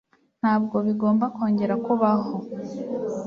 Ntabwo bigomba kongera kubaho.